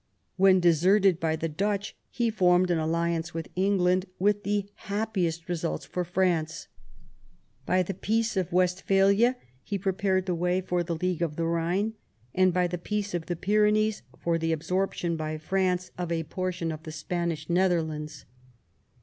When deserted by the Dutch he formed an alliance with England, with the happiest results for France. By the Peace of Westphalia he prepared the way for the League of the Ehine, and by the Peace of the Pyrenees for the absorption by France of a portion of the Spanish Netherlands.